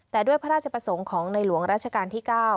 แต่ด้วยพระราชประสงค์ของในหลวงราชการที่๙